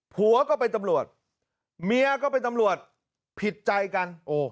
ผัวก็เป็นตำรวจเมียก็เป็นตำรวจผิดใจกัน